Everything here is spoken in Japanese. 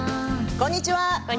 こんにちは。